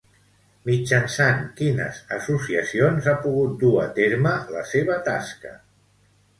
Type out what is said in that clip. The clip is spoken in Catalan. Mitjançant quines associacions ha pogut dur a terme la seva tasca?